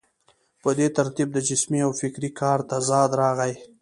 په دې ترتیب د جسمي او فکري کار تضاد راغی.